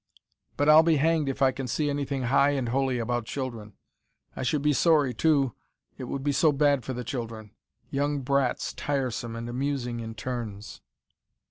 But I'll be hanged if I can see anything high and holy about children. I should be sorry, too, it would be so bad for the children. Young brats, tiresome and amusing in turns."